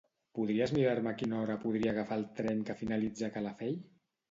Podries mirar-me a quina hora podria agafar el tren que finalitza a Calafell?